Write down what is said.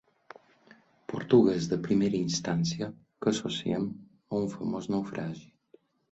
Portuguès de primera instància que associem a un famós naufragi.